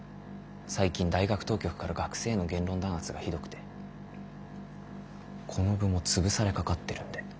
最近大学当局から学生への言論弾圧がひどくてこの部も潰されかかってるんで。